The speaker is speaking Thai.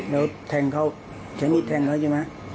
แล้วแทงเขาใช้มีดแทงเขาใช่ไหม